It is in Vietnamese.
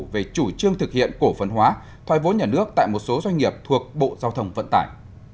về chủ trương thực hiện cổ phân hóa thoai vốn nhà nước tại một số doanh nghiệp thuộc bộ giao thông vận tải